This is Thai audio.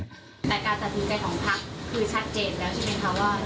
แต่การตัดสินใจของภักดิ์คือชัดเจนแล้วใช่มั้ยครับ